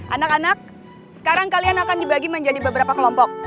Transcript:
anak anak sekarang kalian akan dibagi menjadi beberapa kelompok